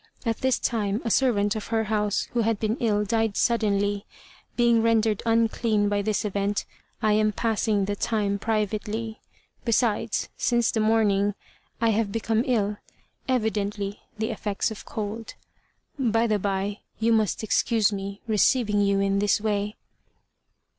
At this time a servant of her house, who had been ill, died suddenly. Being rendered 'unclean' by this event, I am passing the time privately. Besides, since the morning, I have become ill, evidently the effects of cold. By the bye, you must excuse me receiving you in this way."